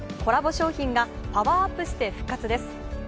商品がパワーアップして復活です。